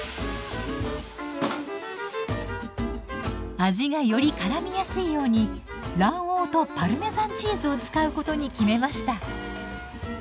味がよりからみやすいように卵黄とパルメザンチーズを使うことに決めました。